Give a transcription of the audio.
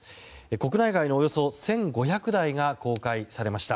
国内外のおよそ１５００台が公開されました。